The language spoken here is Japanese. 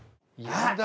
やだ！